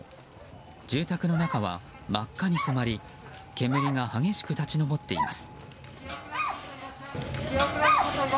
住宅の中は真っ赤に染まり煙が激しく立ち上っています。